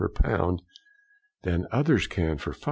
per pound than others can for 5s.